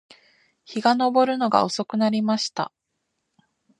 日が登るのが遅くなりました